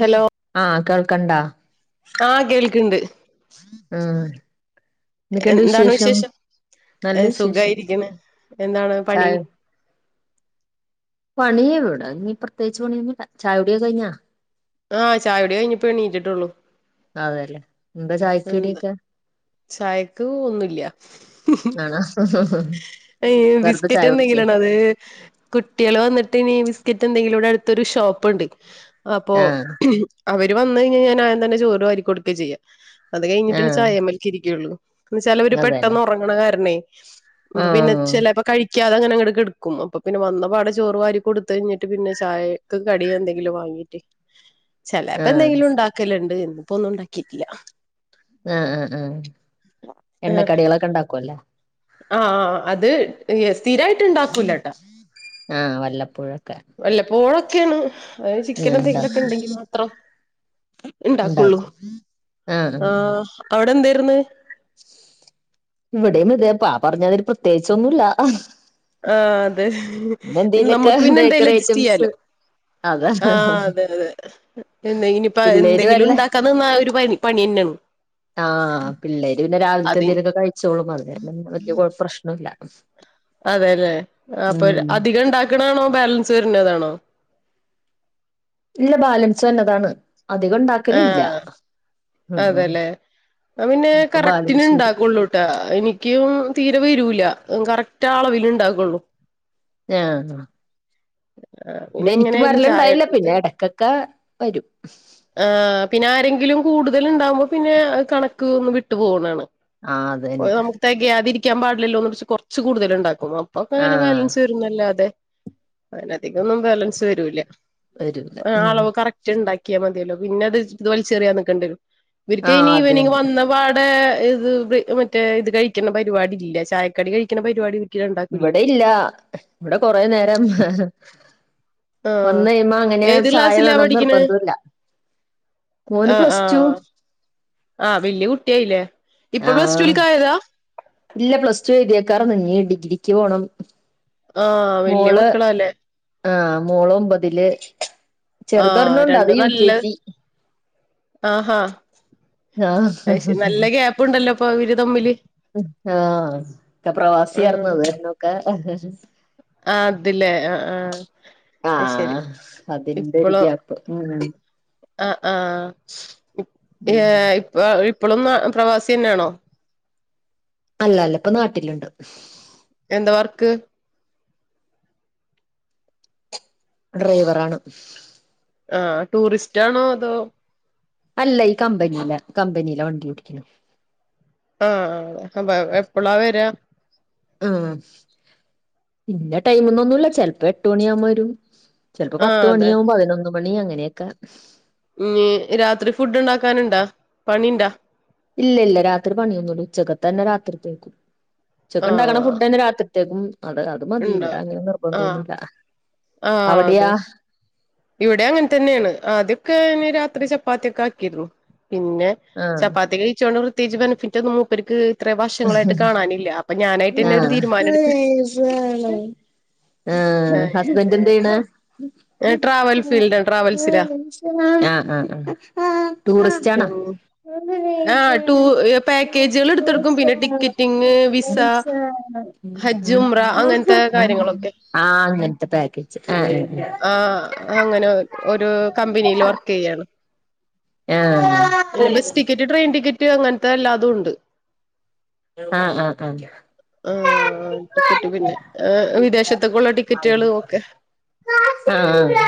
Hello ആഹ് കേൾക്കണ്ടാ ആഹ് കേൾക്കണ്ട് ഉം ന്തൊക്കെണ്ട് വിശേഷം നല്ല വിശേഷം സുഖായിരിക്കണ് എന്താണ് പണി പണി ഇവിട ഇനി പ്രത്യേകിച്ച് പണിയൊന്നൂല്ല ചായ കുടിയൊക്കെ കഴിഞ്ഞാ ആഹ് ചായ കുടി കഴിഞ്ഞിപ്പോ എണീറ്റിട്ടുള്ളു അതേല്ലേ എന്താ ചായക്ക് കടിയൊക്കെ ചായക്ക് ഒന്നുല്ല ആണ ബിസ്ക്കറ്റ് എന്തെങ്കിലാണ് അത് കുട്ടികൾ വന്ന [unintelligible] ബിസ്കറ്റിന്റേയും ഇവിടെ അടുത്തൊരു ഷോപ്പുണ്ട് അപ്പൊ ആഹ് അവ ര് വന്ന് കഴിഞ്ഞാൽ ഞാൻ ആദ്യം തന്നെ ചോറ് വാരിക്കൊടുക്ക ചെയ്യാ അത് കഴിഞ്ഞിട്ടാണ് ആഹ് ചായേമേല്ക്ക് ഇരിക്കുയുള്ളൂ എന്ന വച്ചാൽ അവര് അതെല്ലേ പെട്ടെന്ന് ഉറങ്ങണ കാരണേ പിന്നെ ആഹ് ചിലപ്പോ കഴി ക്കാതെ അങ്ങനങ്ങട് കെടക്കും അപ്പൊ പിന്നെ വന്നപാടെ ചോറ് വാരി കൊടുത്ത് കഴിഞ്ഞിട്ട് പിന്നെ ചായയ്ക്ക് കടി എന്തെങ്കിലും വങ്ങ [inaudible] ചെലപ്പോ ആഹ് എന്തെങ്കിലും ഉണ്ടാക്കലുണ്ട് ഇന്നിപ്പോ ഒന്നും ഉണ്ടാക്കിട്ടില്ല ആഹ് ആഹ് ആഹ് എണ്ണക്കടികളൊക്കെ ഉണ്ടാക്കുവല്ലേ ആഹ് അത് സ്ഥിരായിട്ട് ഉണ്ടാക്കൂലട്ടാ ആഹ് വല്ലപ്പോഴും വല്ലപ്പോഴൊക്കെയാണ് അത് ആഹ് ഇണ്ടാ ചിക്കനെന്തെങ്കിലൊക്കെ ഉണ്ടെങ്കി മാത്രം ഉണ്ടാക്കുള്ളൂ ഇണ്ടാക്കും ആഹ് അവിടെ എന്തായിരുന്ന് ഇവിടെയും ഇതേ പാ പറഞ്ഞാതിരി പ്രത്യേകിച്ചൊന്നൂല്ല ആഹ് അതേ പിന്നെ നമ്മുക്ക് പിന്നെ എന്തേലും ബേക്കറി അഡ്ജസ്റ്റ് ഐറ്റംസ് ചെയ്യാലോ അതാ ആഹ് അതെ അതെ ഇനിപ്പ പിള്ളേര് എന്തെങ്കിലും വല്ല ഉണ്ടാക്കാൻ നിന്ന ഒരു പരി പണിയന്നെ നം ആഹ് പിള്ളേര് പിന്നെ രാവിലത്തെ എന്തേലൊക്കെ കഴിച്ചോളും അതിന് വലിയ പ്രശ്നോല്ല അതെല്ലേ അപ്പൊ അധികം ഉണ്ടാക്കണാണോ ബാലൻസ് വരുന്നതാണോ ഇല്ല ബാലൻസ് വന്നതാണ് അധികം ഉണ്ടാക്കലില്ല ഉം ഉം അതേല്ലേ ആഹ് പിന്നെ ചെലപ്പോ കറക്റ്റിന് ബാലൻസ് വരും ഉണ്ടാക്കുള്ളൂട്ടാ എനിക്കും തീരെ വരൂല കറക്റ്റ് ആളവിലുണ്ടാക്കുള്ളൂ ആഹ് ആ, ഇവിടെ പിന്നെ എനിക്കും എങ്ങനെയായാലും വരലുണ്ടായില്ല ചായ പിന്നെ ഇടക്കൊക്കെ വരും ആഹ് പിന്നെ ആരെങ്കിലും കൂടുതൽ ഉണ്ടാകുമ്പോ പിന്നെ കണക്ക് ഒന്ന് വിട്ടു പോകുന്നാണ് ആഹ് അത് ഓ തന്നെ നമുക്ക് തകയാതിരി ക്കാൻ പാടില്ലല്ലോ എന്ന് വെച്ച് കൊറച്ച് കൂടുതൽ ഉണ്ടാക്കുംഅപ്പൊ അങ്ങനെ ആഹ് ബാലൻസ് വരുന്നു അല്ലാതെ അതിനധികം ഒന്നും ബാലൻസ് വരൂല്ല വരൂല ഉം അളവ് കറക്റ്റ് ഉണ്ടാക്കിയാൽ മതിയല്ലോ പിന്നെ അത് ഇത് വലിചെറിയാന്നിക്കണ്ടിവരും ഇവർക്ക് ആഹ് ഇനി അത് ഈവനിങ് തന്നെ വന്ന പാടെ ഇത് മറ്റേ ഇത് കഴിക്കുന്ന പരിപാടില്ല ചായക്കടി കഴിക്കുന്ന പരിപാടില്ല ഇവിടെ ഇല്ല ഇവിടെ കൊറേ നേരം ആഹ് വന്ന് കഴിയുമ്പോ അങ്ങനെ ഏത് ചായ ക്ലാസ്സിലാ വേനൊന്നു പഠിക്കണെ നിർബന്ധം ഇല്ല മോന് ആഹ് പ്ലസ് ടു ആഹ് ആഹ് വല്ലിയ കുട്ടിയായില്ലേ ഇപ്പൊ പ്ലസ് ആഹ് ടുവിൽക്ക് ആയതാ ഇല്ല പ്ലസ് ടു എഴുതിയക്കാറ ഇനി ഡിഗ്രിക്ക് പോണം ആഹ് വലിയ മോള് മക്കള അല്ലേ ആഹ് മോള് ഒമ്പതില് ആഹ് ചെറുതൊരെണ്ണം ഉണ്ട് അത് രണ്ടും യു കെ നല്ല ജി ആഹാ ആഹ് അത് ശെരി നല്ല ഗ്യാപ്പുണ്ടല്ലോ ഇപ്പൊ ഇവരു തമ്മില് ആഹ് പ്രവാസി ആരുന്നു [unintelligible] ആ അതില്ലേ അ ആഹ് അത് ശെരി ആഹ് അതിന്റെ ഒരു ഗ്യാപ്പ് മൂ മൂ ആ ആഹ് ഉം ഏഹ് ഇപ്പൊ ഇപ്പോളും പ്രവാസി തന്നെയാണോ അല്ല അല്ല ഇപ്പൊ നാട്ടിലുണ്ട് എന്ത വർക്ക് ഡ്രൈവറാണ് ആ ടൂറിസ്റ്റാണോ അതോ അല്ല ഈ കമ്പനിയില കമ്പനിയിലെ വണ്ടി ഓടിക്കുന്നു ആഹ് അപ്പൊ എപ്പോളാ വരാ ആഹ് ഇന്ന ടൈമൊന്നുന്നുമില്ല ചെലപ്പം എട്ട്മണി അമ് വരും ചിലപ്പോ ആഹ് അതെ പത്തുമണിയാവും പതിനൊന്ന് മണി അങ്ങനെയൊക്കെ ഉം രാത്രി ഫുഡ് ഉണ്ടാക്കാനുണ്ടാ പാണിന്ടാ ഇല്ലില്ല രാത്രി പണിയൊന്നുല്ല ഉച്ചക്കത്ത തന്നെ രാത്രിത്തേക്കും ഉച്ചക്ക് ഉണ്ടാക്കണ ആഹ് ഫുഡ് തന്നെ രാത്രിത്തേക്കും അത് അത് മതി ഇവിടെ ഇണ്ടാവും അങ്ങനെ ആഹ് നിർബന്തോന്നില്ല ആഹ് അതെ അവിടെയാ ഇവിടെ അങ്ങനെ തന്നെയാണ് ആദ്യൊക്കെ രാത്രി ചപ്പാത്തിക്കെ ആക്കിരുന്നു പിന്നെ ആഹ് ചപ്പാത്തി കഴിച്ചുണ്ട് പ്രത്യേകിച്ച് ബെനഫിറ്റ് ഒന്നും മൂപ്പർക്ക് ഇത്രേ വർഷങ്ങളായിട്ട് കാണാനില്ല അപ്പൊ ഞാനായിട്ട് തന്നെ ഒരു ആഹ് തീരുമാനം എടുത്ത് ആ ഹസ്ബന്റ് എന്ത് ചെയ്യണ് ട്രാവൽ ഫീൽഡ് ട്രാവൽസിലാ ആഹ് ആഹ് ആഹ് ടൂറിസ്റ്റ് ആണ ആ ടൂർ പാക്കേജുകൾ എടുത്തൊടുക്കും പിന്നെ ടിക്കറ്റിങ് [unintelligible] വിസ ഹജ്ജ് ഉംറ അങ്ങനത്തെ കാര്യങ്ങളൊക്കെ ആഹ് അങ്ങൻത്തെ പാക്കേജ് ആഹ് ആഹ് അങ്ങനെ ഒരോ കമ്പനില് വർക്ക് ചെയ്യാണ് ആഹ് പിന്നെ ബസ് ടിക്കറ്റ് ട്രെയിൻ ടിക്കറ്റ് അങ്ങൻത്തെ അല്ലാതുണ്ട് ആഹ് ആഹ് ആഹ് ആഹ് ടിക്കറ്റ് പിന്നെ വിദേശത്തേക്കുള്ള ടിക്കറ്റുകളും ഒക്കെ ആഹ്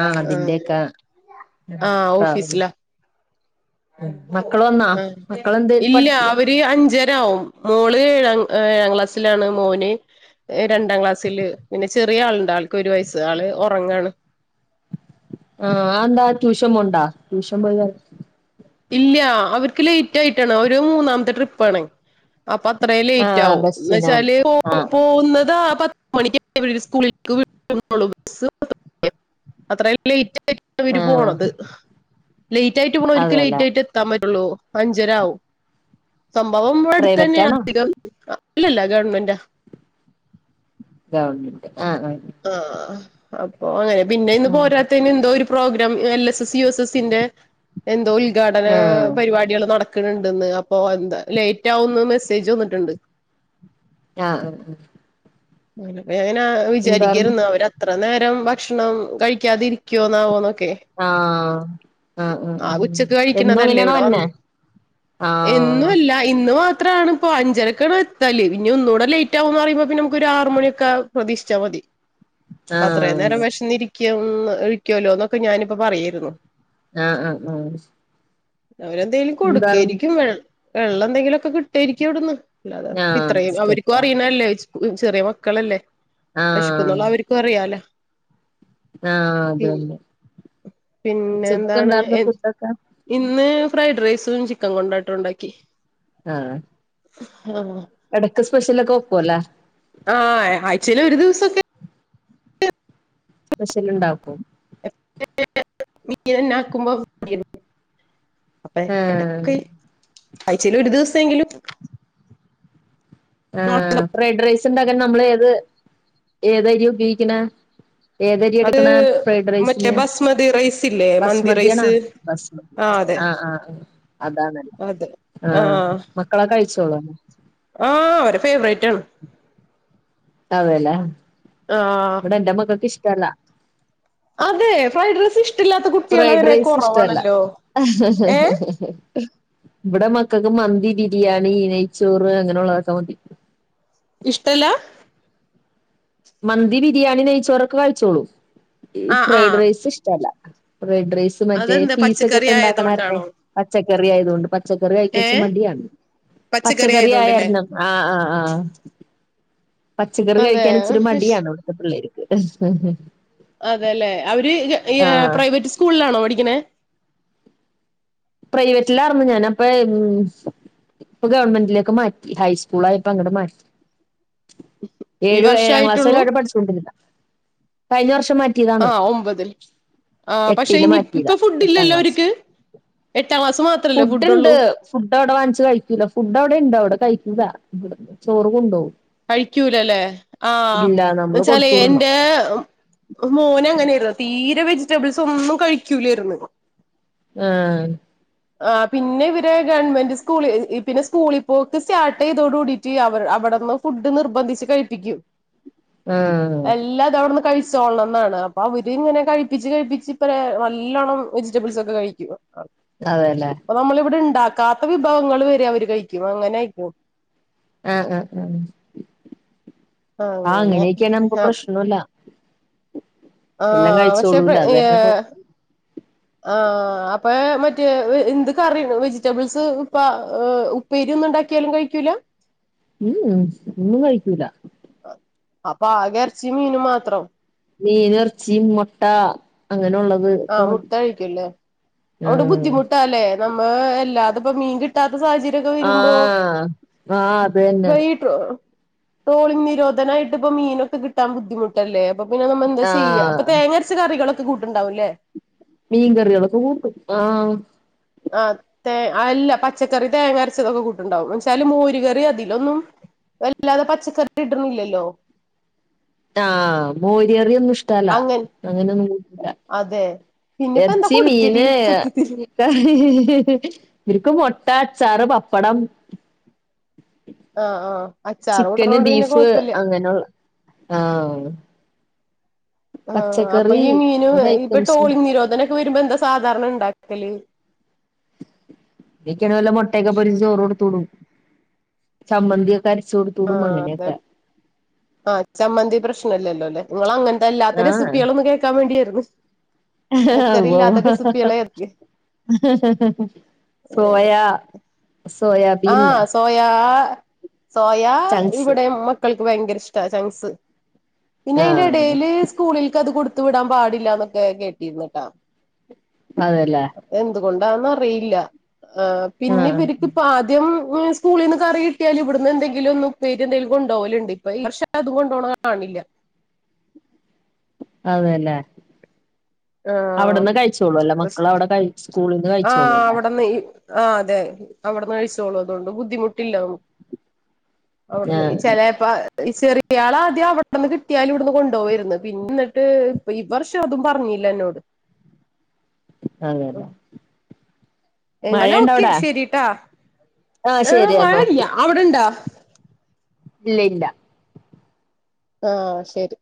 ആഹ് ആ അതിന്റെക്കെ ആ ട്രാവല് ഓഫീസിലാ ഉം ആഹ് ഇല്ല അവര് അഞ്ചര ആവും മോള് ഏഴാം ഈഹ് ഏഴാം ക്ലാസ്സിലാണ് മോന് രണ്ടാം ക്ലാസ്സില് പിന്നെ ചെറിയ ആളുണ്ട് ആൾക്ക് ഒരു വയസ്സ് ആള് ഒറങ്ങാണ് ആഹ് അത് ന്താ ട്യൂഷൻ പോണ്ടാ ട്യൂഷൻ [unintelligible] ഇല്ല അവര്ക്ക് ലേറ്റ് ആയിട്ടാണ് അവരു മൂന്നാമത്തെ ട്രിപ്പാണ് അപ്പ അത്രയും ലേറ്റ് ആഹ് ആവും എന്ന് ബസ്സിനാണ് വെച്ചാല് പോ ആഹ് പോകുന്നത് ആഹ്‌ പ മണിക്ക് സ്കൂളിലേക്ക് വീടോളു [unintelligible] അത്രേം ലേറ്റാ [unintelligible] അവര് ആഹ് പോണത് ലേറ്റ് ആയിട്ട് പോണോരിക്ക് അതെല്ലേ ലേറ്റ് ആയിട്ട് എത്താൻ പറ്റ റ്റുളു അഞ്ചര ആവും സംഭവം ഇവടെ അടുത്തന്നെ പ്രൈവറ്റാണോ അധികം ഇല്ലല്ല ഗവൺമെൻറ്റാ ഗവൺമെൻറ്റ് ആഹ് അപ്പൊ അങ്ങനെ പിന്നെ ഇന്ന് പോരാത്തേന് എന്തോ ഒരു program L S S, U S എസ്സിന്റെ എന്തോ ഉദ്ഘാടനാ ആഹ് ആഹ് ആഹ് പരിപാടികള് നട ക്കണിണ്ടന്ന് അപ്പൊ എന്താ ലേറ്റാവുംന്ന് മെസ്സേജ് വന്നിട്ടെണ്ട് ആഹ് അഹ് ആഹ് [unintelligible] എന്താർന്നു വിചാരിക്കുവേരുന്ന് അവരത്ര നേ രം ഭക്ഷണം കഴിക്കാതിരിക്കോന്നാവോ ക്കെ ആഹ് ആഹ് ആഹ് ആകെ ആഹ് ഉച്ചക്ക് എന്നും കഴിക്കണതല്ലേ അങ്ങനെയാണോ ഇവിടെ വന്ന് വര്ണേ എന്നു ആഹ് അല്ല ഇന്ന് മാ ത്രാണ് ഇപ്പൊ അഞ്ചരക്കാണ് എത്തല് ഇനി ഒന്നൂടെ ലേറ്റ് ആകൂന്ന് പറയുമ്പോ നമുക്ക് ഒരു ആറ് മണിയൊക്കാ പ്രതീക്ഷിച്ചാ മതി. അപ്പ അത്രേ നേരം ആഹ് വിശന്നിരിക്കവുന്ന് ഇരിക്കുവല്ലോ എന്നൊക്കെ ഞാനിപ്പോ പറയേരുന്ന് ആഹ് ആഹ് അഹ് അവരെന്തേലും കൊടുക്കേയിരിക്കും വെ വെള്ളം എന്തെങ്കിലും ഒക്കെ കിട്ടേയിരിക്കും അവിടുന്ന്. അല്ലാത ആഹ് ഇത്രയും അവരിക്കും ബിസ്ക്കറ്റാ അറിയണല്ലേ ചെറിയ മക്കളല്ലേ ആഹ് [unintelligible] അവരിക്കും അറിയാല്ലാ ആഹ് അതന്നെ ഉച്ചക്കൊക്കെ പിന്നെന്താണ് എന്താർന്നു എൻ ഫുഡൊക്കെ ഇന്ന് ഫ്രൈഡ് റൈസും ചിക്കൻ കൊണ്ടാട്ടോ ഉണ്ടാക്കി. [unintelligible] ആഹ് എടക്ക് സ്പെഷ്യൽ ഒക്കെ വെക്കുവല്ലേ ആഹ് ആഴ്ച്ചേല് ഒരു ദിവസൊക്കെ സ്പെഷ്യൽ ഇണ്ടാക്കും [unintelligible] അപ്പ ആഹ് എടക്ക് ആഴ്ച്ചേൽ ഒരു ദിവസെങ്കിലും ആഹ് ഫ്രൈഡ് റൈസ്ണ്ടാക്കാൻ നമ്മള് ഏത് ഏതര്യാ ഉപയോഗിക്ക്ണേ? ഏതര്യാ അത് ഇട്ക്ക്ണേ ഫ്രൈഡ് മറ്റേ റൈസിന് ബസ്മതി റൈസ് ഇല്ലേ മന്തി ബസ്മതിയാണാ റൈസ് ബസ്മതി ആഹ് ആ അതാണല്ലേ ആഹ് മക്കളത് കഴിച്ചോളു [inaudible] ആഹ് അവരെ ഫേവറേയ്റ്റാണ്. അതെ ലാ ആഹ് ഇബടെൻ്റെ മക്കൾക്കിഷ്ടല്ല. അതെ ഫ്രൈഡ് റൈസ് ഇഷ് ഫ്രൈഡ് റൈസ് ഇഷ്ടല്ല ഏഹ് ഇവിടെ ക്ക് മന്തി ബിരിയാണി നെയ്ച്ചോറ് അങ്ങനെ ഉള്ളതൊക്കെ മന്തി ഇഷ്ടല്ലാ മന്തി ബിരിയാണി നയിച്ചോരൊക്കെ കഴിച്ചോളൂ ഈ ആഹ് ഫ്രൈഡ് ആഹ് റൈസ് ഇഷ്ടമല്ല റെഡ് റൈസ് മറ്റേ അതെന്താ പീസ ഒക്കെ പച്ചക്കറി ഒക്കെ ഇണ്ടാക്കണരല്ലേ ആയതുകൊണ്ടാണോ പച്ചക്കറി ആയതൊണ്ട് പച്ചക്കറി കഴിക്കച്ച ഏഹ് മടിയാണ് പച്ചക്കറി ആയിരുന്നു ആഹ് ആഹ് ആഹ പച്ചക്കറി അതെ കഴിക്കാൻ ഇച്ചിരി മടിയാണ് അവിടുത്തെ പിള്ളേർക്ക് അതെല്ലെ അവര് ആഹ് പ്രൈവറ്റ് സ്കൂളിലാണോ പഠിക്കണെ പ്രൈവറ്റിലറരുന്നു ഞാന അപ്പൊ ഇപ്പൊ ഗവൺമെന്റിലേക്കെ മാറ്റി ഹൈസ്കൂൾ ആയപ്പോ അങ്ങട്ട് മാറ്റി ഈ ഏഴു ഏഴാം ക്ലാസ് വരെ വർഷായിട്ടുള്ളൂ അവവിടെ പഠിച്ചുകൊണ്ടിരുന്ന കഴിഞ്ഞ വർഷം മാറ്റിയതാണ് ആഹ് ഒമ്പതിൽ ആഹ് പക്ഷെ എട്ടില് ഇനി ഇപ്പൊ മാറ്റിയതാ ഫുഡ് എട്ടാം ഇല്ലല്ലോ ക്ലാസ് അവർക്ക് എട്ടാം ക്ലാസ് മാത്രല്ലേ ഫുഡ്ുണ്ട് ഫുഡുള്ളൂ ഫുഡ് അവിടെ വാങ്ങിച്ചച്ച് കഴിക്കൂല ഫുഡ് അവിടെ ഇണ്ട് അവിടെ കഴ ഇവിടെ ചോറ് കൊണ്ടോവും കഴിക്കൂലല്ലേ ആഹ ഇല്ല നമ്മള് എന്നച്ചാല് കൊടുത്തൂടണം എന്റെ മോൻ അങ്ങനെയായിരുന്നു തീരെ വെജിറ്റബിൾസ് ഒന്നും കഴിക്കൂലായിരുന്നു ആഹ ആ പിന്നെ ഇവര് ഗവൺമെന്റ് സ്കൂളി പിന്നെ സ്കൂളിപ്പോക്കെ സ്റ്റാർട്ട് ചെയ്തോട കൂടിട്ട് അവർ ഫുഡ് നിർബന്ധിച്ച് കഴിപ്പിക്കും ആഹ് എല്ലാവരെയും കഴി ന്നാണ് അപ്പൊ അവര് ഇങ്ങനെ കഴിപ്പിച്ച് കഴിപ്പിച്ച് ഇപ്പ നല്ലോണം വെജിറ്റബിൾസ് ഒക്കെ കഴിക്കും അതെല്ലേ അപ്പൊ നമ്മളിവിടെ ഉണ്ടാക്കാത്ത വിഭവങ്ങൾ വരെ അവര് കഴിക്കും അങ്ങനെ ആയിരിക്കും ആഹ ആഹ ഉഹ ആ അങ്ങനെ അങ്ങനെയൊക്കെയ നമുക്ക് പ്രശ്നല്ല എല്ലാം ആഹ പക്ഷെ കഴിച്ചോളൂല അത് ഏ കാരണം കൊ ആ അപ്പ മറ്റേ എന്ത് കറിയാണ് വെജിറ്റബിൾസ് ഉപ്പ ഉപ്പേരി ഉണ്ടാക്കിയാലും കഴിക്കൂല ഉം ഒന്നും കഴിക്കൂല അപ്പൊ ആകെ ഇറച്ചി മീനും മാത്രം മീൻ ഇറച്ചി മുട്ട അങ്ങനെയുള്ളത് ഒക്കെ ആഹ മതി മുട്ടകഴിക്കല്ലേ അവിടെ ആഹ് ബുദ്ധിമുട്ടാല്ലേ നമ്മ അല്ലാതെ ഇപ്പോ മീൻ കിട്ടാത്ത സാഹചര്യംക്കെ വരുമ്പോ ആഹ് ആഹ് അത് തന്നെ വൈകിട്ട് ട്രോളിങ് നിരോധനായിട്ട്ഇപ്പ മീനൊക്കെ കിട്ടാൻ ബുദ്ധിമുട്ടല്ലേ അപ്പ പിന്നെ നമ്മ എന്താ ചെയ്യ അപ്പൊ ആഹ് തേങ്ങരച്ച കറികളൊക്ക കൂട്ടുണ്ടാവുംല്ലേ മീൻ കറികളൊക്കെ കൂട്ടും ആഹ് ആതേ അല്ല പച്ചക്കറി തേങ്ങ അരച്ചതൊക്കെ കൂട്ടുണ്ടാവും എന്നെച്ചാല് മോര് കറി അതിലൊന്നും വല്ലാതെ പച്ചക്കറി ഇടണില്ലല്ലോ ആഹ മോരികറിയൊന്നും ഇഷ്ടല്ല അങ്ങനെ അങ്ങനെ ഒന്നും അതെ പിന്നെപ്പ എന്താ ഇറച്ചി കൊടുക്കല് മീന് സത്യത്തില് ഇക്ക ഇവര്ക്ക് മുട്ട അച്ചാറ് പപ്പടം ആഹ് ആഹ് അച്ചാറ് ചിക്കന് കൂട്ടണോണ്ട് പിന്നെ ബീഫ് കൊഴപ്പല്ല അങ്ങനെയുള്ള ആഹ ആഹ അപ്പൊ ഈ മീന ഏത് ഇപ്പൊ ഐറ്റംസും ട്രോളിങ്‌ നിരോധനൊക്കെ വരുമ്പോ എന്താ സാധാരണ ഉണ്ടാക്ക കല് ഇതൊക്കെയണേല് മുട്ടക്കെ പൊരിച്ച് ചോറ് കൊടുത്ത വിടും ചമ്മന്തി ആ അതെ ആ ചമ്മന്തി പ്രശ്നല്ലല്ലോ അല്ലെ നിങ്ങളങ്ങന അതല്ലാത്തെറെസിപ്പികളൊന്ന് കേൾക്കാൻ വേണ്ടിയായിരുന്നു പച്ചക്കറി ഇല്ലാത്ത [inaudible] റെസിപ്പികളെ സോയാ സോ ആഹ് സോയാ സോയാ ചങ്ക്സ് ഇവടേം മക്കൾക്ക് ഭയങ്കര ഇഷ് ച ചംഗ്‌സ് പിന്നെ അയ്ന്റെ ആഹ് എടേല് സ്കൂളിൽക്കത് കൊട് ത്തു വിടാൻ പാടില്ലാന്നൊക്കെ കേട്ടീര്ന്ന്ട്ടാ. അതെ ല്ലേ കൊണ്ടാന്നറിയില്ല ഏഹ് ആഹ് പിന്നെവരിക്ക് [unintelligible] സ്കൂളീന്ന് കറി കിട്ടിയാല് ഇവിട്ന്ന് എന്തെങ്കിലും ഒന്ന് ഉപ്പേരി എന്തേലും കൊണ്ടോവല്ണ്ട് ഇപ്പ ഈ വർഷ അതും കൊണ്ടോണ കാണ് ണില്ല്യ. അതല്ലേ ആഹ് അവിട്ന്ന് കഴിച്ചോളും അല്ലേ മക്കള് അവിടെ കഴിച്ച് ആഹ് അവിടന്നെയ് ആഹ് അതെ അവിടന്ന് കഴിച്ചോളും അതുകൊണ്ട് ബുദ്ധിമുട്ടില്ല നമു അവിടന്ന് ആഹ് ചെലേപ്പ ചെറിയാള് ആദ്യം അവിടെന്ന് കിട്ടിയാലും ഇവിടുന്ന് കൊണ്ടോവേര്ന്ന്. പിന്നന്നിട്ട് ഇപ്പ ഈ വർഷം അതും പറഞ്ഞ് ഇല്ല എന്നോട് ആ [unintelligible] എന്നാല് ഓക്കെ ശെരിട്ടാ ആഹ് ഏഹ് ശരി എന്നാ ഓക്കെ മഴല്ല്യ അവിടെണ്ടാ? ഇല്ല ഇല്ല. ആഹ് ശരി.